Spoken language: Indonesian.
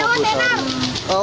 ah jauh tenar